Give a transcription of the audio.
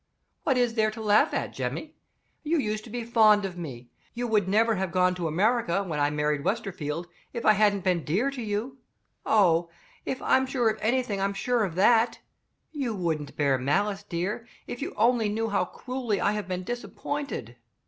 What is there to laugh at, Jemmy? You used to be fond of me; you would never have gone to America, when I married Westerfield, if I hadn't been dear to you. Oh, if I'm sure of anything, I'm sure of that! You wouldn't bear malice, dear, if you only knew how cruelly I have been disappointed."